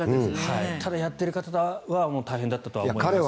ただ、やってる方は大変だったと思いますが。